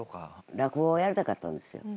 落語をやりたかったんですよ。